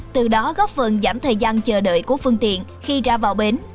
từ đó góp phần giảm thời gian chờ đợi của phương tiện khi ra vào bến